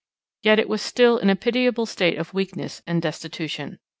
Yet it was still in a pitiable state of weakness and destitution.